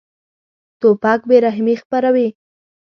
توپک بېرحمي خپروي.